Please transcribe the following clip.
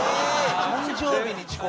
誕生日に遅刻。